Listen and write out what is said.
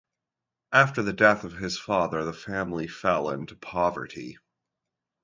After the death of his father, the family fell into poverty.